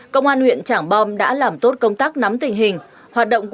công an huyện trảng bom đã làm rõ gần hai mươi vụn